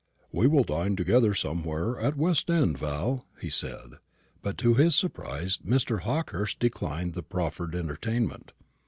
"We will dine together somewhere at the West end, Val," he said; but, to his surprise, Mr. Hawkehurst declined the proffered entertainment.